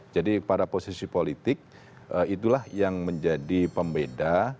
pada posisi politik itulah yang menjadi pembeda